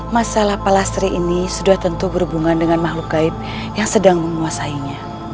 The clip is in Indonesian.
masalah palastri ini sudah tentu berhubungan dengan makhluk gaib yang sedang menguasainya